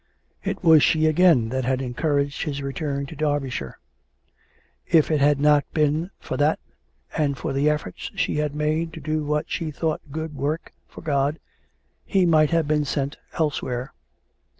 It was she again that had encouraged his return to Derby shire. If it had not been for that, and for the efforts she had made to do what she thought good work for God, he might have been sent elsewhere.